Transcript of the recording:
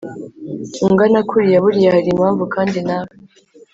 ungana kuriya buriya hari impamvu kandi nawe